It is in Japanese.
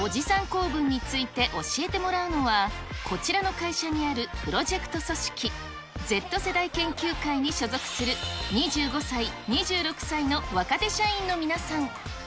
構文について、教えてもらうのは、こちらの会社にあるプロジェクト組織、Ｚ世代研究会に所属する２５歳、２６歳の若手社員の皆さん。